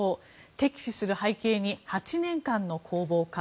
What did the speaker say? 敵視する背景に８年間の攻防か。